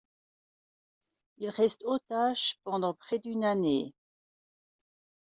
Il reste otage pendant près d'une année.